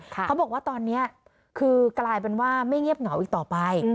เขาบอกว่าตอนนี้คือกลายเป็นว่าไม่เงียบเหงาอีกต่อไป